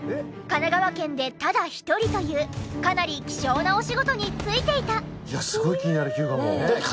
神奈川県でただ１人というかなり希少なお仕事に就いていた！